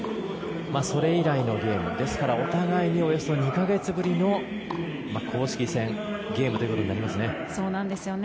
それ以来のゲームですからお互いに２か月ぶりの公式戦、ゲームということになりますね。